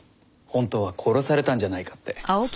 本当は殺されたんじゃないかって。